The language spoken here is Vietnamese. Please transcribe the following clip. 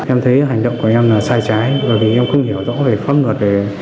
em thấy hành động của em là sai trái bởi vì em không hiểu rõ về pháp luật